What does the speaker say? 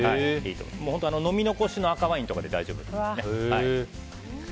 飲み残しの赤ワインとかで大丈夫なので。